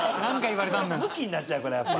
むきになっちゃうからやっぱ。